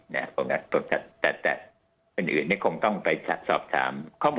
แต่คนอื่นคงต้องไปสอบถาม